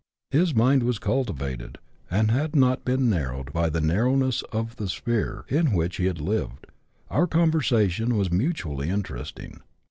His mind was cultivated, and had not been narrowed by the narrowness of the sphere in which he had lived ; our conversation was mutually interesting.